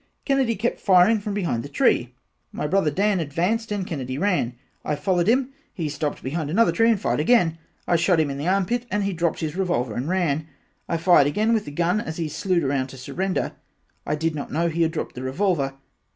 Kennedy kept firing from behind the tree my brother Dan advanced and Kennedy ran I followed him he stopped behind another tree and fired again. I shot him in the arm pit and he dropped his revolver and ran I fired again with the gun as he slewed around to surrender I did not know he had dropped his revolver.